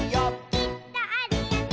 「きっとあるよね」